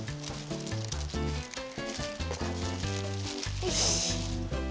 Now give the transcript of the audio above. よし。